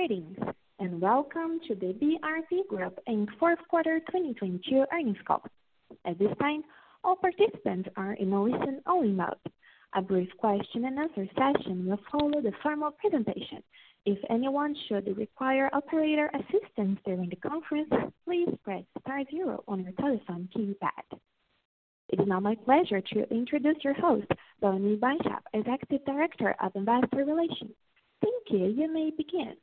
Greetings, welcome to the BRP Group Inc Fourth Quarter 2022 Earnings Call. At this time, all participants are in a listen-only mode. A brief question-and-answer session will follow the formal presentation. If anyone should require operator assistance during the conference, please press star zero on your telephone keypad. It's now my pleasure to introduce your host, Bonnie Bishop, Executive Director of Investor Relations. Thank you. You may begin.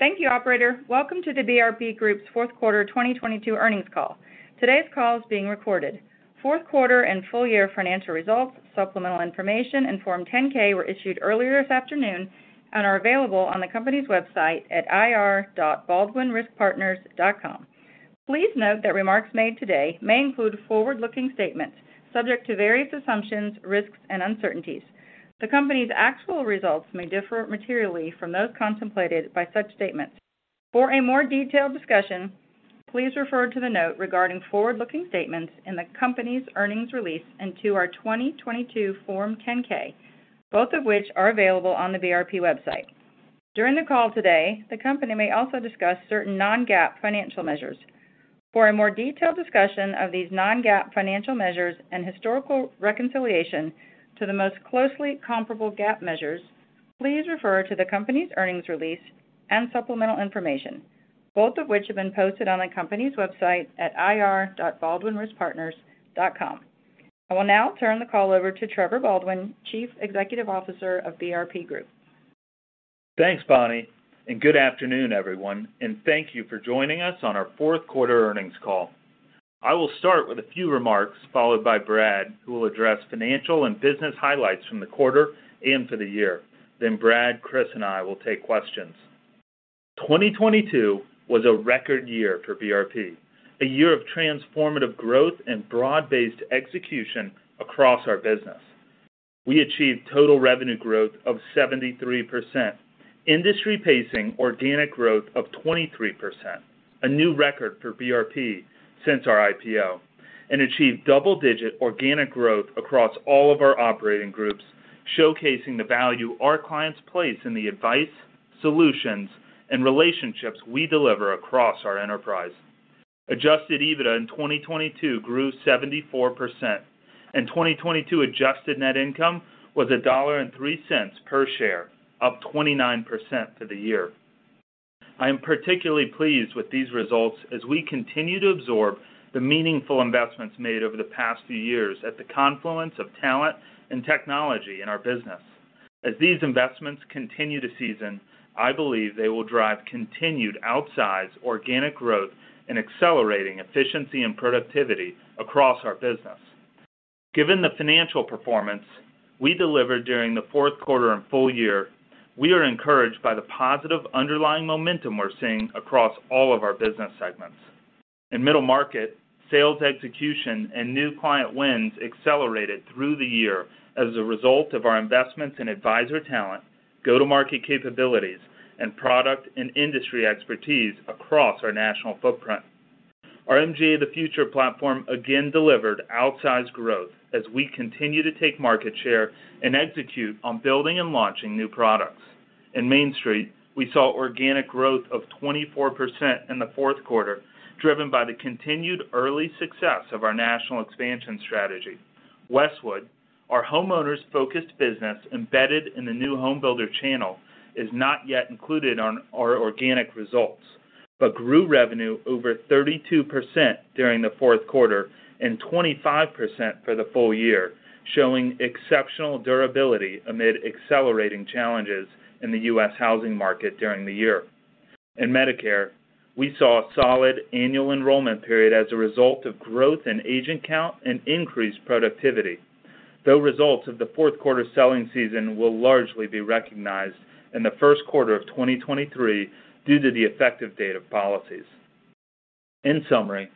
Thank you, operator. Welcome to the BRP Group's Fourth Quarter 2022 Earnings Call. Today's call is being recorded. Fourth quarter and full year financial results, supplemental information, and Form 10-K were issued earlier this afternoon and are available on the company's website at ir.baldwinriskpartners.com. Please note that remarks made today may include forward-looking statements subject to various assumptions, risks, and uncertainties. The company's actual results may differ materially from those contemplated by such statements. For a more detailed discussion, please refer to the note regarding forward-looking statements in the company's earnings release and to our 2022 Form 10-K, both of which are available on the BRP website. During the call today, the company may also discuss certain non-GAAP financial measures. For a more detailed discussion of these non-GAAP financial measures and historical reconciliation to the most closely comparable GAAP measures, please refer to the company's earnings release and supplemental information, both of which have been posted on the company's website at ir.baldwinriskpartners.com. I will now turn the call over to Trevor Baldwin, Chief Executive Officer of BRP Group. Thanks, Bonnie. Good afternoon, everyone, and thank you for joining us on our fourth quarter earnings call. I will start with a few remarks, followed by Brad, who will address financial and business highlights from the quarter and for the year. Brad, Kris, and I will take questions. 2022 was a record year for BRP, a year of transformative growth and broad-based execution across our business. We achieved total revenue growth of 73%, industry pacing organic growth of 23%, a new record for BRP since our IPO, and achieved double-digit organic growth across all of our operating groups, showcasing the value our clients place in the advice, solutions, and relationships we deliver across our enterprise. Adjusted EBITDA in 2022 grew 74%. 2022 Adjusted Net Income was $1.03 per share, up 29% for the year. I am particularly pleased with these results as we continue to absorb the meaningful investments made over the past few years at the confluence of talent and technology in our business. As these investments continue to season, I believe they will drive continued outsized organic growth in accelerating efficiency and productivity across our business. Given the financial performance we delivered during the fourth quarter and full year, we are encouraged by the positive underlying momentum we're seeing across all of our business segments. In middle market, sales execution and new client wins accelerated through the year as a result of our investments in advisor talent, go-to-market capabilities, and product and industry expertise across our national footprint. Our MGA of the Future platform again delivered outsized growth as we continue to take market share and execute on building and launching new products. In Mainstreet, we saw organic growth of 24% in the fourth quarter, driven by the continued early success of our national expansion strategy. Westwood, our homeowners-focused business embedded in the new home builder channel, is not yet included on our organic results, grew revenue over 32% during the fourth quarter and 25% for the full year, showing exceptional durability amid accelerating challenges in the U.S. housing market during the year. In Medicare, we saw a solid annual enrollment period as a result of growth in agent count and increased productivity, though results of the fourth quarter selling season will largely be recognized in the first quarter of 2023 due to the effective date of policies. In summary,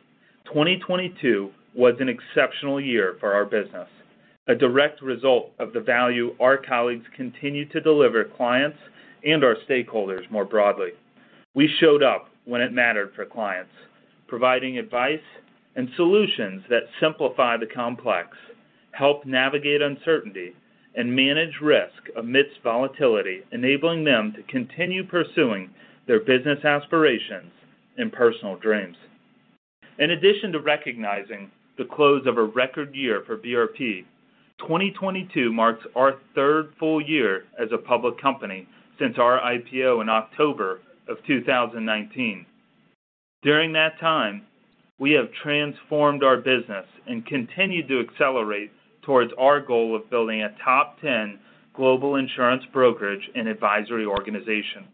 2022 was an exceptional year for our business, a direct result of the value our colleagues continue to deliver clients and our stakeholders more broadly. We showed up when it mattered for clients, providing advice and solutions that simplify the complex, help navigate uncertainty, and manage risk amidst volatility, enabling them to continue pursuing their business aspirations and personal dreams. In addition to recognizing the close of a record year for BRP, 2022 marks our third full year as a public company since our IPO in October of 2019. During that time, we have transformed our business and continued to accelerate towards our goal of building a top ten global insurance brokerage and advisory organization.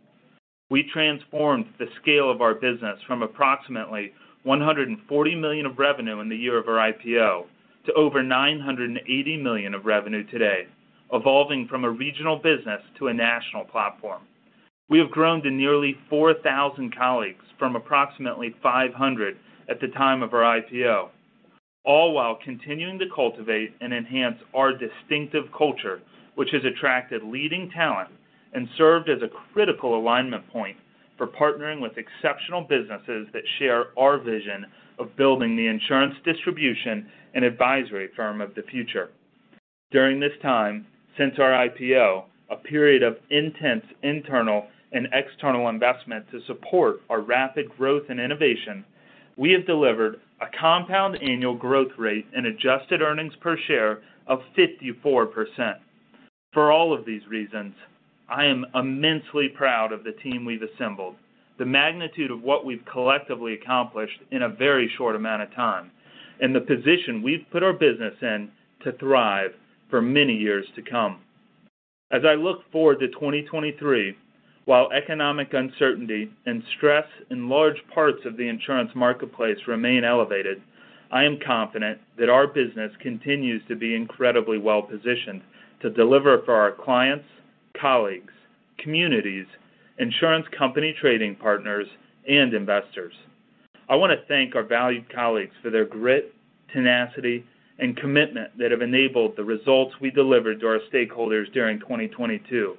We transformed the scale of our business from approximately $140 million of revenue in the year of our IPO to over $980 million of revenue today, evolving from a regional business to a national platform. We have grown to nearly 4,000 colleagues from approximately 500 at the time of our IPO, all while continuing to cultivate and enhance our distinctive culture, which has attracted leading talent and served as a critical alignment point for partnering with exceptional businesses that share our vision of building the insurance distribution and advisory firm of the future. During this time, since our IPO, a period of intense internal and external investment to support our rapid growth and innovation, we have delivered a compound annual growth rate in adjusted earnings per share of 54%. For all of these reasons, I am immensely proud of the team we've assembled, the magnitude of what we've collectively accomplished in a very short amount of time, and the position we've put our business in to thrive for many years to come. As I look forward to 2023, while economic uncertainty and stress in large parts of the insurance marketplace remain elevated, I am confident that our business continues to be incredibly well-positioned to deliver for our clients, colleagues, communities, insurance company trading partners, and investors. I want to thank our valued colleagues for their grit, tenacity, and commitment that have enabled the results we delivered to our stakeholders during 2022.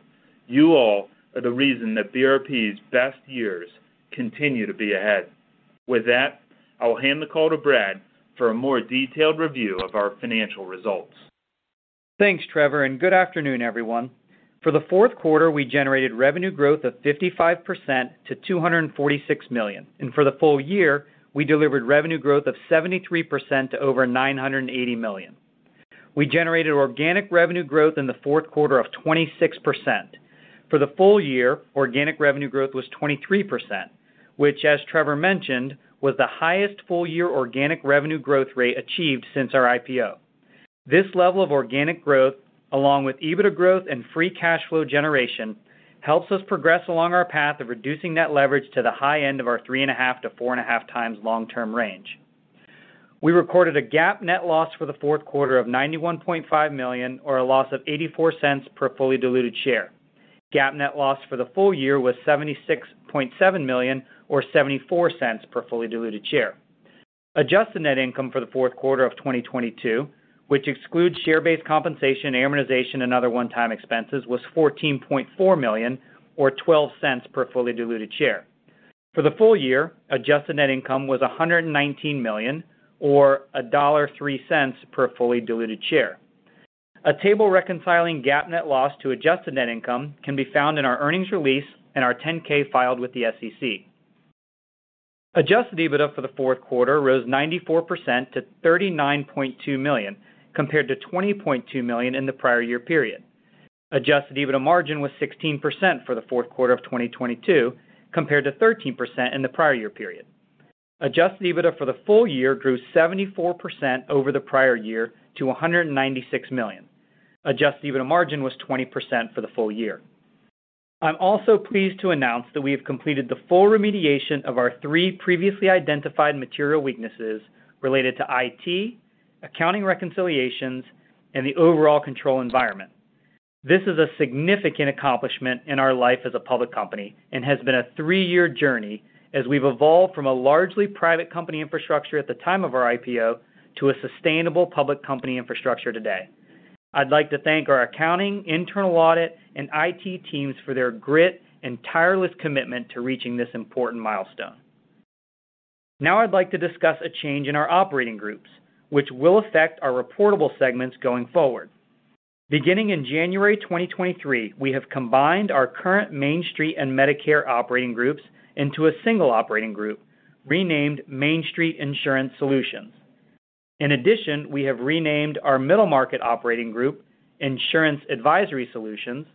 You all are the reason that BRP's best years continue to be ahead. With that, I will hand the call to Brad for a more detailed review of our financial results. Thanks, Trevor. Good afternoon, everyone. For the fourth quarter, we generated revenue growth of 55% to $246 million. For the full year, we delivered revenue growth of 73% to over $980 million. We generated organic revenue growth in the fourth quarter of 26%. For the full year, organic revenue growth was 23%, which, as Trevor mentioned, was the highest full-year organic revenue growth rate achieved since our IPO. This level of organic growth, along with EBITDA growth and free cash flow generation, helps us progress along our path of reducing net leverage to the high end of our 3.5x-4.5x long-term range. We recorded a GAAP net loss for the fourth quarter of $91.5 million or a loss of $0.84 per fully diluted share. GAAP net loss for the full year was $76.7 million or $0.74 per fully diluted share. Adjusted net income for the fourth quarter of 2022, which excludes share-based compensation, amortization, and other one-time expenses, was $14.4 million or $0.12 per fully diluted share. For the full year, adjusted net income was $119 million or $1.03 per fully diluted share. A table reconciling GAAP net loss to adjusted net income can be found in our earnings release and our 10-K filed with the SEC. Adjusted EBITDA for the fourth quarter rose 94% to $39.2 million, compared to $20.2 million in the prior year period. Adjusted EBITDA margin was 16% for the fourth quarter of 2022, compared to 13% in the prior year period. Adjusted EBITDA for the full year grew 74% over the prior year to $196 million. Adjusted EBITDA margin was 20% for the full year. I'm also pleased to announce that we have completed the full remediation of our three previously identified material weaknesses related to IT, accounting reconciliations, and the overall control environment. This is a significant accomplishment in our life as a public company and has been a three-year journey as we've evolved from a largely private company infrastructure at the time of our IPO to a sustainable public company infrastructure today. I'd like to thank our accounting, internal audit, and IT teams for their grit and tireless commitment to reaching this important milestone. I'd like to discuss a change in our operating groups, which will affect our reportable segments going forward. Beginning in January 2023, we have combined our current Mainstreet and Medicare operating groups into a single operating group renamed Mainstreet Insurance Solutions. In addition, we have renamed our Middle Market operating group Insurance Advisory Solutions,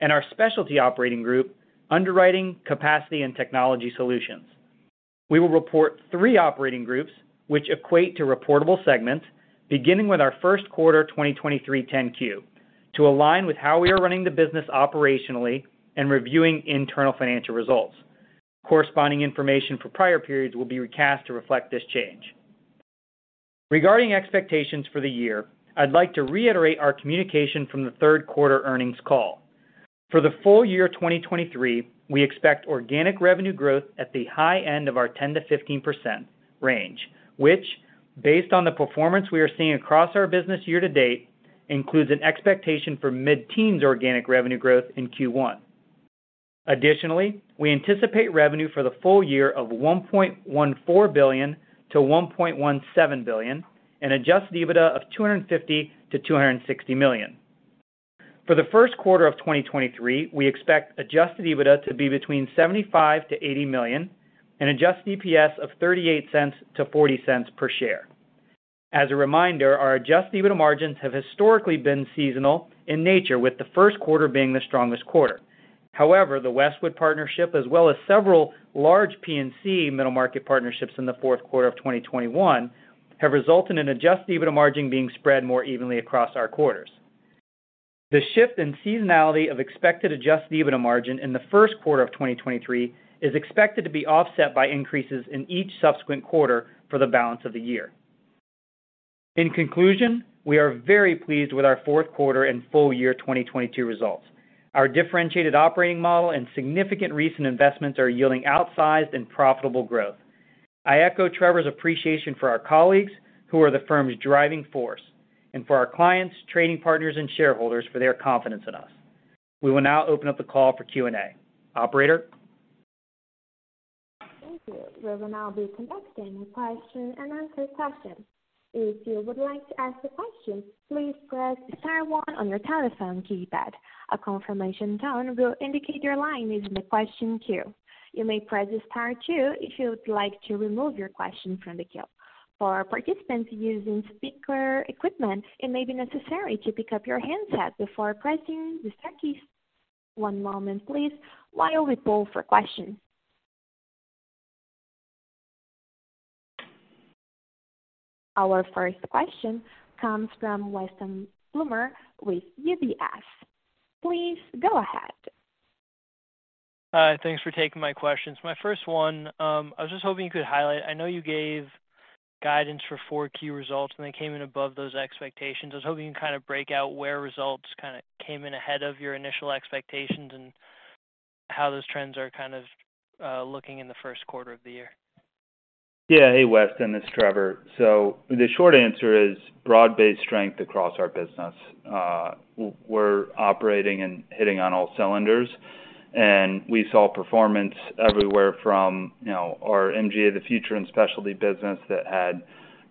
and our specialty operating group Underwriting, Capacity and Technology Solutions. We will report three operating groups, which equate to reportable segments, beginning with our first quarter 2023 10-Q to align with how we are running the business operationally and reviewing internal financial results. Corresponding information for prior periods will be recast to reflect this change. Regarding expectations for the year, I'd like to reiterate our communication from the third quarter earnings call. For the full year 2023, we expect organic revenue growth at the high end of our 10%-15% range, which, based on the performance we are seeing across our business year to date, includes an expectation for mid-teens organic revenue growth in Q1. Additionally, we anticipate revenue for the full year of $1.14 billion-$1.17 billion and adjusted EBITDA of $250 million-$260 million. For the first quarter of 2023, we expect adjusted EBITDA to be between $75 million-$80 million and adjusted EPS of $0.38-$0.40 per share. As a reminder, our adjusted EBITDA margins have historically been seasonal in nature, with the first quarter being the strongest quarter. The Westwood Partnership, as well as several large P&C middle market partnerships in the fourth quarter of 2021, have resulted in adjusted EBITDA margin being spread more evenly across our quarters. The shift in seasonality of expected adjusted EBITDA margin in the first quarter of 2023 is expected to be offset by increases in each subsequent quarter for the balance of the year. In conclusion, we are very pleased with our fourth quarter and full year 2022 results. Our differentiated operating model and significant recent investments are yielding outsized and profitable growth. I echo Trevor's appreciation for our colleagues, who are the firm's driving force, and for our clients, trading partners, and shareholders for their confidence in us. We will now open up the call for Q&A. Operator? Thank you. We will now be conducting a question-and-answer session. If you would like to ask a question, please press star one on your telephone keypad. A confirmation tone will indicate your line is in the question queue. You may press star two if you would like to remove your question from the queue. For participants using speaker equipment, it may be necessary to pick up your handset before pressing the star keys. One moment, please, while we poll for questions. Our first question comes from Weston Bloomer with UBS. Please go ahead. Thanks for taking my questions. My first one, I was just hoping you could highlight. I know you gave guidance for four key results. They came in above those expectations. I was hoping you could kind of break out where results kinda came in ahead of your initial expectations and how those trends are kind of looking in the first quarter of the year? Hey, Weston, it's Trevor. The short answer is broad-based strength across our business. We're operating and hitting on all cylinders, and we saw performance everywhere from, you know, our MGA of the Future and specialty business that had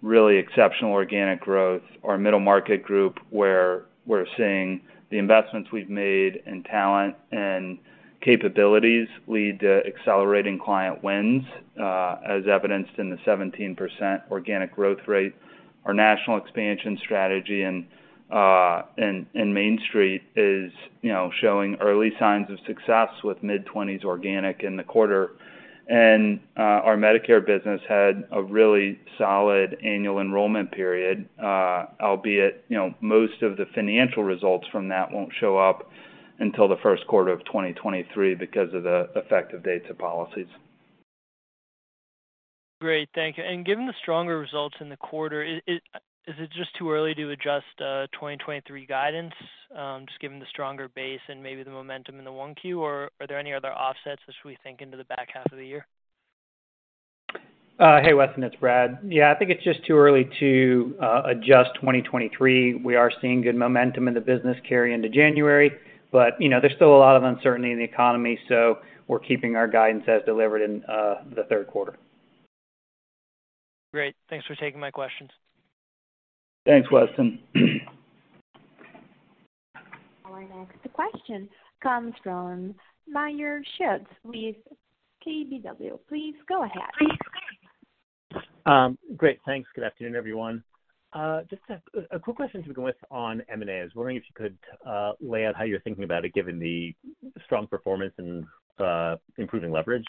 really exceptional organic growth. Our Middle Market group, where we're seeing the investments we've made in talent and capabilities lead to accelerating client wins, as evidenced in the 17% organic growth rate. Our national expansion strategy and Mainstreet is, you know, showing early signs of success with mid-20s organic in the quarter. Our Medicare business had a really solid annual enrollment period, albeit, you know, most of the financial results from that won't show up until the first quarter of 2023 because of the effective dates of policies. Great. Thank you. Given the stronger results in the quarter, is it just too early to adjust 2023 guidance just given the stronger base and maybe the momentum in the 1Q, or are there any other offsets as we think into the back half of the year? Hey, Weston, it's Brad. Yeah. I think it's just too early to adjust 2023. We are seeing good momentum in the business carry into January, you know, there's still a lot of uncertainty in the economy, we're keeping our guidance as delivered in the third quarter. Great. Thanks for taking my questions. Thanks, Weston. Our next question comes from Meyer Shields with KBW. Please go ahead. Great, thanks. Good afternoon, everyone. Just a quick question to begin with on M&A. I was wondering if you could lay out how you're thinking about it, given the strong performance and improving leverage.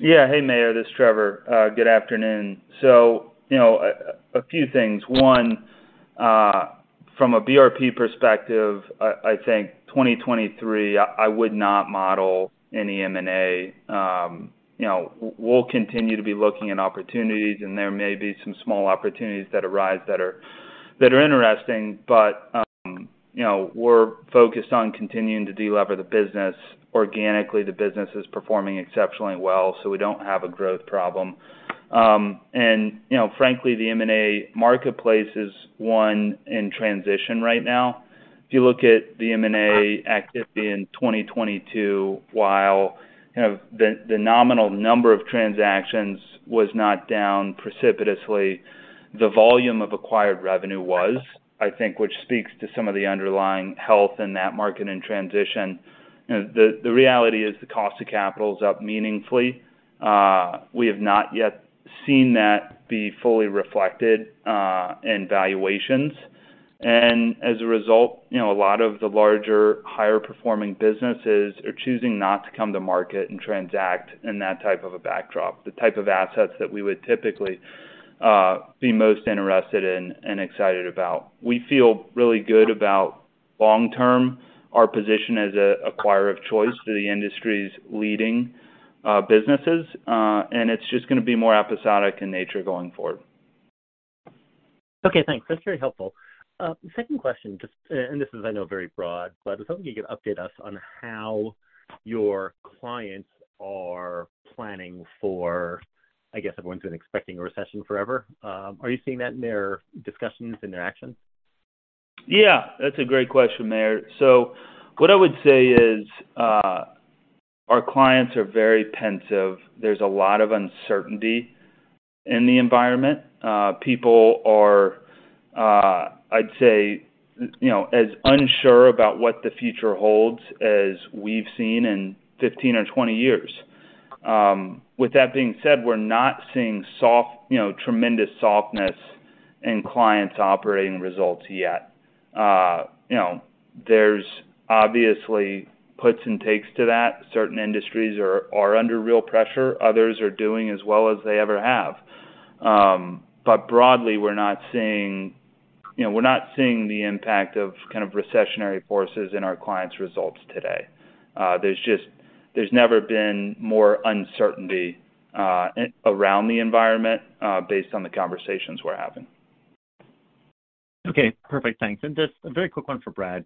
Yeah. Hey, Meyer, this Trevor. Good afternoon. You know, a few things. One, from a BRP perspective, I think 2023 I would not model any M&A. You know, we'll continue to be looking at opportunities, and there may be some small opportunities that arise that are interesting, but, you know, we're focused on continuing to delever the business organically. The business is performing exceptionally well, so we don't have a growth problem. You know, frankly, the M&A marketplace is one in transition right now. If you look at the M&A activity in 2022, while kind of the nominal number of transactions was not down precipitously, the volume of acquired revenue was, I think, which speaks to some of the underlying health in that market in transition. You know, the reality is the cost of capital is up meaningfully. We have not yet seen that be fully reflected in valuations. As a result, you know, a lot of the larger, higher performing businesses are choosing not to come to market and transact in that type of a backdrop, the type of assets that we would typically be most interested in and excited about. We feel really good about long term, our position as an acquirer of choice to the industry's leading businesses, and it's just gonna be more episodic in nature going forward. Okay, thanks. That's very helpful. Second question, and this is I know, very broad, but I was hoping you could update us on how your clients are planning for, I guess everyone's been expecting a recession forever. Are you seeing that in their discussions, in their actions? Yeah, that's a great question, Meyer. What I would say is, our clients are very pensive. There's a lot of uncertainty in the environment. People are, I'd say, you know, as unsure about what the future holds as we've seen in 15 or 20 years. With that being said, we're not seeing, you know, tremendous softness in clients' operating results yet. You know, there's obviously puts and takes to that. Certain industries are under real pressure, others are doing as well as they ever have. Broadly, we're not seeing, you know, the impact of kind of recessionary forces in our clients' results today. There's just, there's never been more uncertainty around the environment, based on the conversations we're having. Okay. Perfect. Thanks. Just a very quick one for Brad.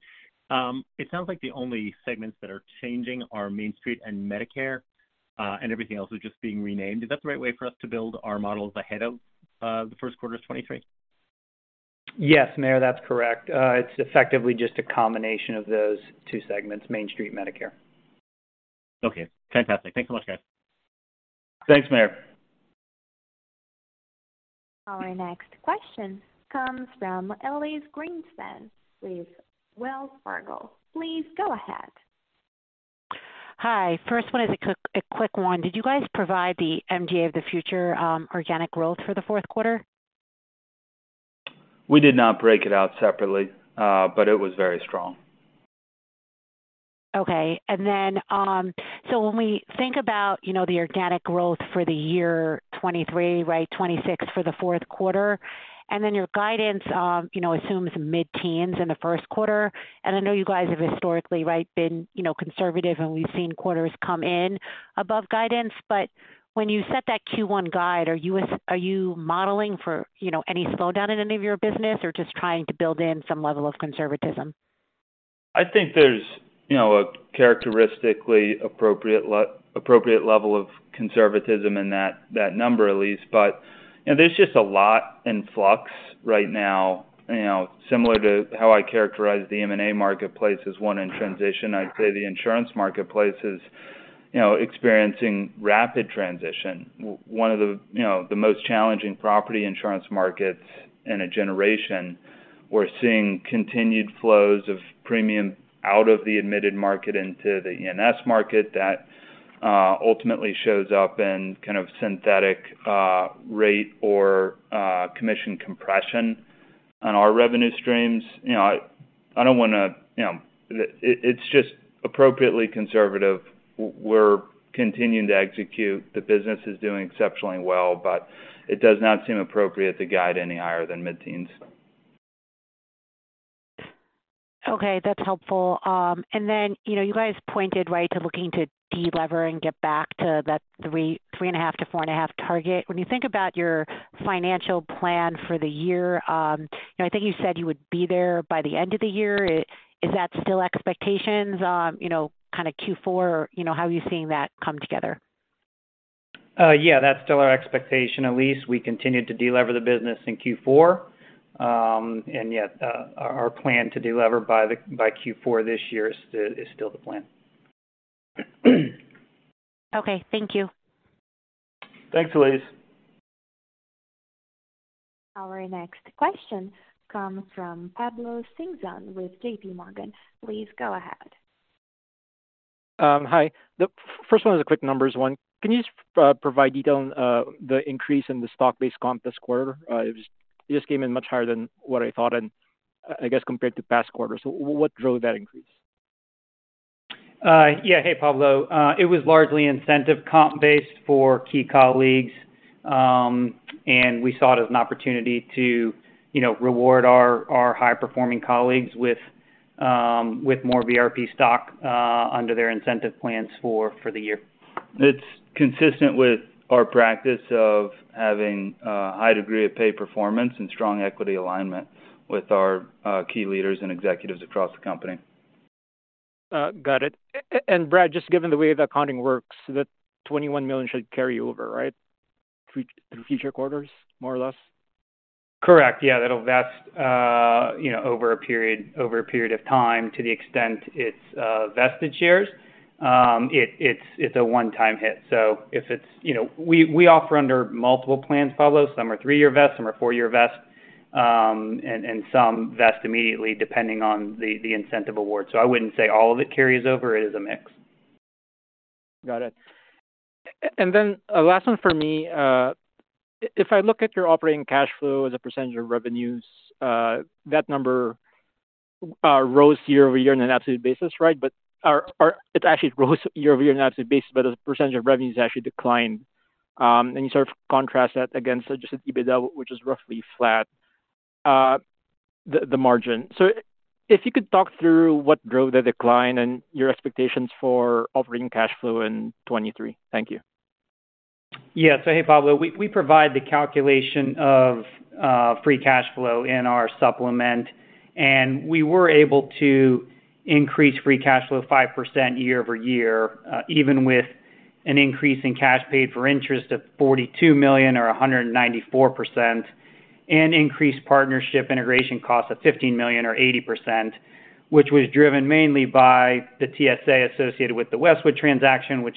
It sounds like the only segments that are changing are Mainstreet and Medicare, and everything else is just being renamed. Is that the right way for us to build our models ahead of the first quarter of 2023? Yes, Meyer, that's correct. It's effectively just a combination of those two segments, Mainstreet Medicare. Okay. Fantastic. Thanks so much, guys. Thanks, Meyer. Our next question comes from Elyse Greenspan with Wells Fargo. Please go ahead. Hi. First one is a quick one. Did you guys provide the MGA of the Future organic growth for the fourth quarter? We did not break it out separately, but it was very strong. Okay. When we think about, you know, the organic growth for the year 2023, right, 26% for the fourth quarter. Your guidance, you know, assumes mid-teens in the first quarter. I know you guys have historically, right, been, you know, conservative, and we've seen quarters come in above guidance. When you set that Q1 guide, are you modeling for, you know, any slowdown in any of your business or just trying to build in some level of conservatism? I think there's, you know, a characteristically appropriate level of conservatism in that number at least. You know, there's just a lot in flux right now, you know. Similar to how I characterize the M&A marketplace as one in transition, I'd say the insurance marketplace is, you know, experiencing rapid transition. One of the, you know, the most challenging property insurance markets in a generation. We're seeing continued flows of premium out of the admitted market into the E&S market that ultimately shows up in kind of synthetic rate or commission compression on our revenue streams. You know, it's just appropriately conservative. We're continuing to execute. The business is doing exceptionally well. It does not seem appropriate to guide any higher than mid-teens. That's helpful. you know, you guys pointed right to looking to de-lever and get back to that 3.5-4.5 target. When you think about your financial plan for the year, you know, I think you said you would be there by the end of the year. Is that still expectations, you know, kinda Q4, you know. How are you seeing that come together? Yeah, that's still our expectation, Elise. We continue to de-lever the business in Q4. Our plan to de-lever by Q4 this year is still the plan. Okay, thank you. Thanks, Elyse. Our next question comes from Pablo Singzon with J.P. Morgan. Please go ahead. Hi. The first one is a quick numbers one. Can you just provide detail on the increase in the stock-based comp this quarter? It just came in much higher than what I thought and, I guess, compared to past quarters. What drove that increase? Yeah. Hey, Pablo. It was largely incentive comp-based for key colleagues, and we saw it as an opportunity to, you know, reward our high-performing colleagues with more BRP stock, under their incentive plans for the year. It's consistent with our practice of having a high degree of pay performance and strong equity alignment with our key leaders and executives across the company. Got it. Brad, just given the way the accounting works, the $21 million should carry over, right? Through future quarters, more or less? Correct. Yeah, that'll vest, you know, over a period of time. To the extent it's vested shares, it's a one-time hit. If it's, you know, we offer under multiple plans, Pablo. Some are three-year vest, some are four-year vest, and some vest immediately depending on the incentive award. I wouldn't say all of it carries over. It is a mix. Got it. And then a last one for me. If I look at your operating cash flow as a percentage of revenues, that number rose year-over-year on an absolute basis, right? Or it actually grows year-over-year on an absolute basis, but as a percentage of revenue, it's actually declined. And you sort of contrast that against just EBITDA, which is roughly flat, the margin. If you could talk through what drove the decline and your expectations for operating cash flow in 2023. Thank you. Hey, Pablo, we provide the calculation of free cash flow in our supplement. We were able to increase free cash flow 5% year-over-year, even with an increase in cash paid for interest of $42 million or 194% and increased partnership integration costs of $15 million or 80%, which was driven mainly by the TSA associated with the Westwood transaction, which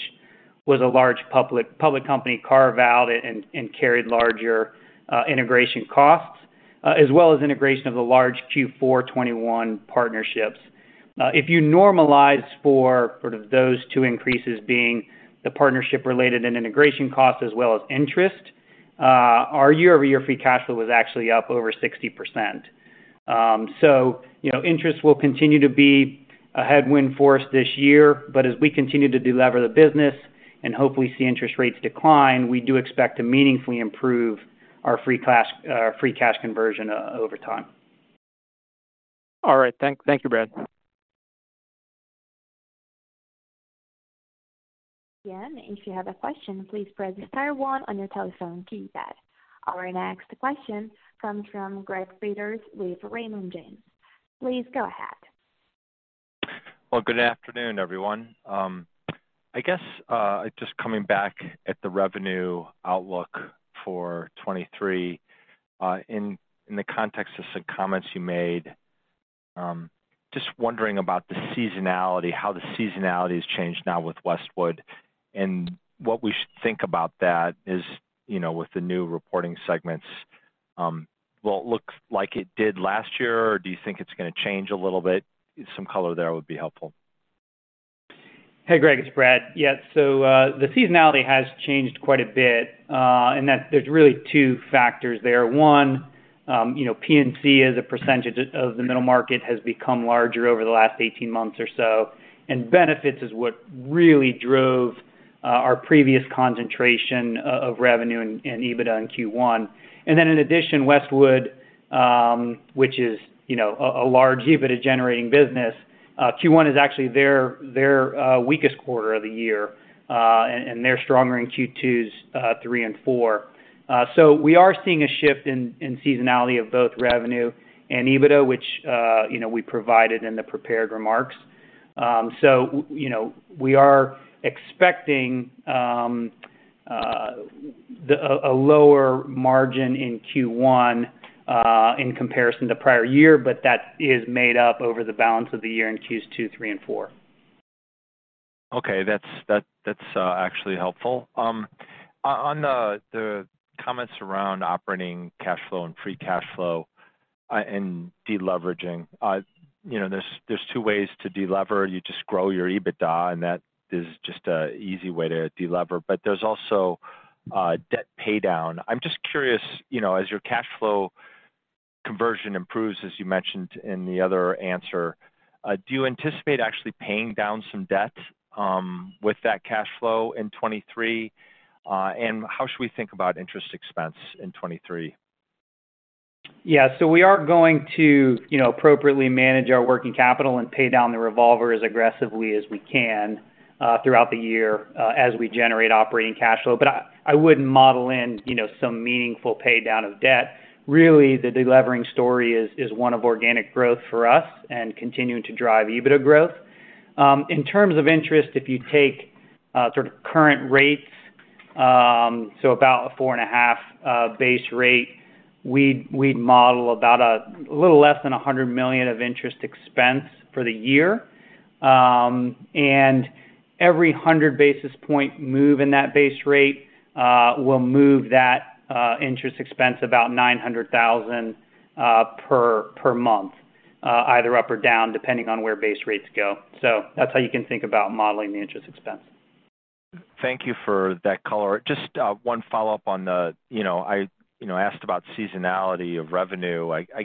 was a large public company carve-out and carried larger integration costs, as well as integration of the large Q4 2021 partnerships. If you normalize for sort of those two increases being the partnership related and integration costs as well as interest, our year-over-year free cash flow was actually up over 60%. You know, interest will continue to be a headwind for us this year, but as we continue to de-lever the business and hopefully see interest rates decline, we do expect to meaningfully improve our free cash, free cash conversion over time. All right. Thank you, Brad. Again, if you have a question, please press star one on your telephone keypad. Our next question comes from Greg Peters with Raymond James. Please go ahead. Well, good afternoon, everyone. I guess, just coming back at the revenue outlook for 2023, in the context of some comments you made, just wondering about the seasonality, how the seasonality has changed now with Westwood and what we should think about that is, you know, with the new reporting segments, will it look like it did last year, or do you think it's gonna change a little bit? Some color there would be helpful. Hey, Greg, it's Brad. The seasonality has changed quite a bit, and that there's really two factors there. One, you know, P&C as a percentage of the Middle Market has become larger over the last 18 months or so, and benefits is what really drove our previous concentration of revenue and EBITDA in Q1. In addition, Westwood, which is, you know, a large EBITDA generating business, Q1 is actually their weakest quarter of the year, and they're stronger in Q2s, three and four. We are seeing a shift in seasonality of both revenue and EBITDA, which, you know, we provided in the prepared remarks. You know, we are expecting a lower margin in Q1, in comparison to prior year, but that is made up over the balance of the year in Q2, three and four. Okay. That's actually helpful. On the comments around operating cash flow and free cash flow, and deleveraging, you know, there's two ways to delever. You just grow your EBITDA, and that is just a easy way to delever, but there's also debt paydown. I'm just curious, you know, as your cash flow conversion improves, as you mentioned in the other answer, do you anticipate actually paying down some debt with that cash flow in 2023? How should we think about interest expense in 2023? We are going to, you know, appropriately manage our working capital and pay down the revolver as aggressively as we can throughout the year as we generate operating cash flow. I wouldn't model in, you know, some meaningful paydown of debt. Really, the delevering story is one of organic growth for us and continuing to drive EBITDA growth. In terms of interest, if you take sort of current rates, about a 4.5 base rate, we'd model about a little less than $100 million of interest expense for the year. Every 100 basis point move in that base rate will move that interest expense about $900,000 per month either up or down, depending on where base rates go. That's how you can think about modeling the interest expense. Thank you for that color. Just one follow-up on the, you know, I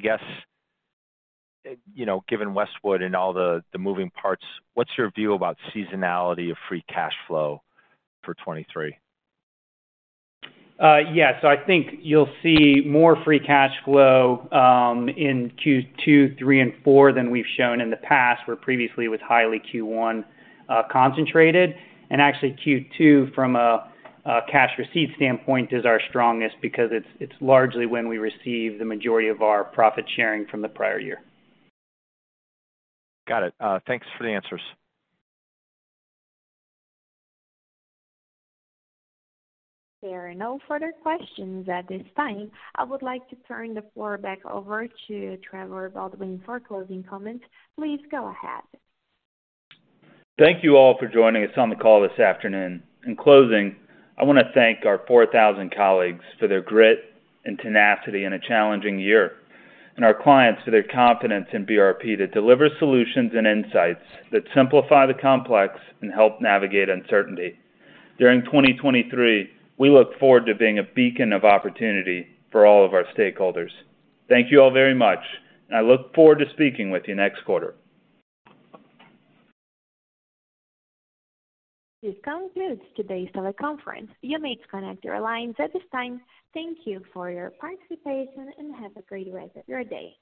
guess, you know, given Westwood and all the moving parts, what's your view about seasonality of free cash flow for 2023? Yeah. I think you'll see more free cash flow in Q2, Q3 and Q4 than we've shown in the past, where previously it was highly Q1 concentrated. Actually Q2 from a cash receipt standpoint is our strongest because it's largely when we receive the majority of our profit sharing from the prior year. Got it. Thanks for the answers. There are no further questions at this time. I would like to turn the floor back over to Trevor Baldwin for closing comments. Please go ahead. Thank you all for joining us on the call this afternoon. In closing, I wanna thank our 4,000 colleagues for their grit and tenacity in a challenging year, and our clients for their confidence in BRP to deliver solutions and insights that simplify the complex and help navigate uncertainty. During 2023, we look forward to being a beacon of opportunity for all of our stakeholders. Thank you all very much, and I look forward to speaking with you next quarter. This concludes today's teleconference. You may disconnect your lines at this time. Thank you for your participation, have a great rest of your day.